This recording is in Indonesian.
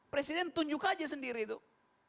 presiden tunjuk aja sendiri tuh